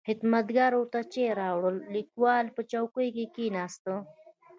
خدمتګار ورته چای راوړ او لیکوال په چوکۍ کې کښېناست.